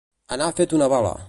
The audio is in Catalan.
Anar fet una bala.